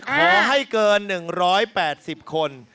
ขอให้เกิน๑๘๐คน